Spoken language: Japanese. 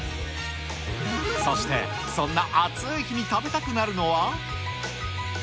そして、そんな暑い日に食べたくなるのは。